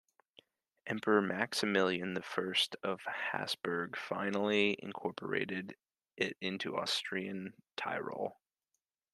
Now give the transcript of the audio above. Emperor Maximilian the First of Habsburg finally incorporated it into Austrian Tyrol.